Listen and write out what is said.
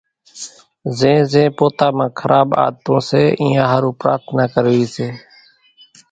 زين زين پوتا مان کراٻ عادتون سي اينيان ۿارُو پرارٿنا ڪروي سي،